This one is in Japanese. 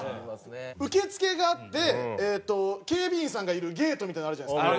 受付があって警備員さんがいるゲートみたいなのあるじゃないですか。